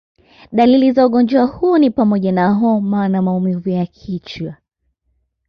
Dalili za ugonjwa huu ni pamoja na homa na maumivu ya kichwa